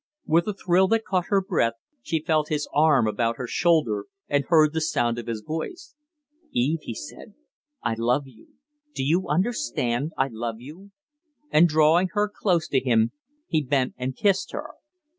With a thrill that caught her breath, she felt his arm. about her shoulder and heard the sound of his voice. "Eve," he said, "I love you. Do you understand I love you." And drawing her close to him he bent and kissed her.